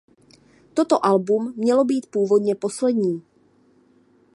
Toto album mělo být původně poslední.